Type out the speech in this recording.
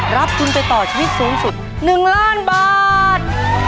รับทุนไปต่อชีวิตสูงสุด๑ล้านบาท